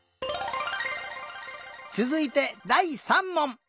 つづいてだい３もん！